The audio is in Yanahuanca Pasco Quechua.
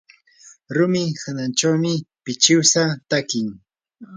rumi hanachawmi pichiwsa takin.